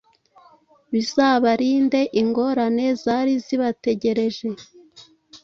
bizabarinde ingorane zari zibategereje.